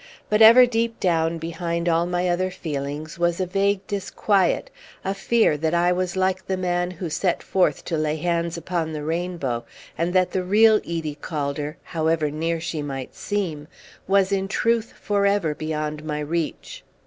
But ever deep down behind all my other feelings was a vague disquiet, a fear that I was like the man who set forth to lay hands upon the rainbow, and that the real Edie Calder, however near she might seem, was in truth for ever beyond my reach.